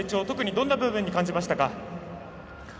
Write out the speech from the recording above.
特にどんな部分に感じましたか？